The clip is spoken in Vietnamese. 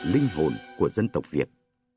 linh hồn của dân tộc việt